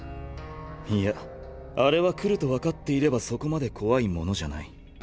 いやあれは来ると分かっていればそこまで怖いものじゃない。